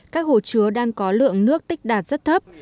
các hồ chứa đang có lượng nước tích đạt rất thấp